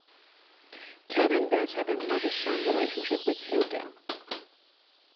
Kevin builds up a mother-son relationship with Hilda.